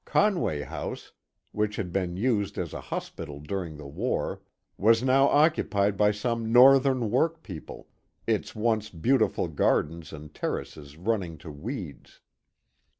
Conway House, which had been used as a hospital during the war, was now occu pied by some Northern work people, its once beautiful gar dens and terraces running to weeds.